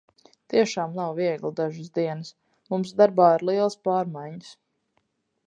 Tiešām nav viegli dažas dienas. Mums darbā ir lielas pārmaiņas.